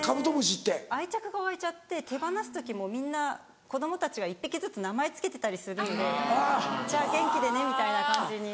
愛着が湧いちゃって手放す時もみんな子供たちが１匹ずつ名前付けてたりするんで「じゃあ元気でね」みたいな感じに。